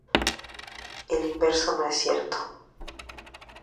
El inverso no es cierto.